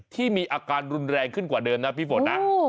ที่มีอาการรุนแรงขึ้นกว่าเดิมนะพี่ฝนนะ